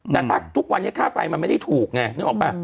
แต่ถ้าทุกวันนี้ค่าไฟมันไม่ได้ถูกไงนึกออกป่ะ